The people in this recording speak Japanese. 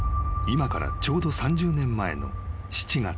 ［今からちょうど３０年前の７月］